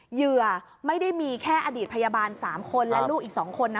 เหยื่อไม่ได้มีแค่อดีตพยาบาล๓คนและลูกอีก๒คนนะ